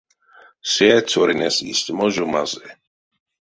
Се цёрынесь истямо жо мазый.